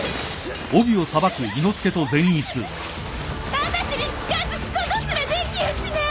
あたしに近づくことすらできやしない。